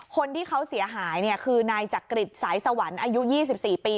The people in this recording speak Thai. คนที่เขาเสียหายคือนายจักริตสายสวรรค์อายุ๒๔ปี